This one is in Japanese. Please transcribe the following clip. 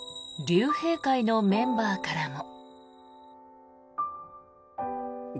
竜兵会のメンバーからも。